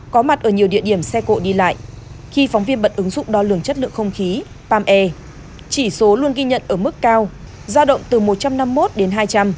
có mặt ở nhiều địa điểm xe cộ đi lại khi phóng viên bận ứng dụng đo lường chất lượng không khí palm air chỉ số luôn ghi nhận ở mức cao giao động từ một trăm năm mươi một đến hai trăm linh